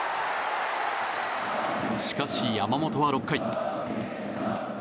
しかし、山本は６回。